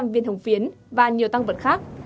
hai tám trăm linh viên hồng phiến và nhiều tăng vật khác